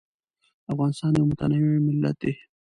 افغانستان یو متنوع ملت دی.